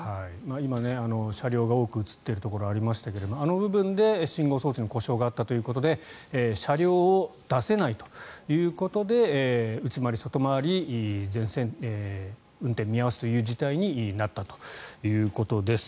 今、車両が多く映っているところがありましたがあの部分で信号装置の故障があったということで車両を出せないということで内回り、外回り全線運転見合わせという事態になったということです。